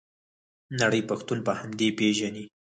نړۍ پښتون په همدې پیژني.